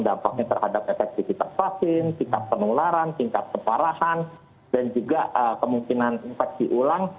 dampaknya terhadap efektivitas vaksin tingkat penularan tingkat keparahan dan juga kemungkinan infeksi ulang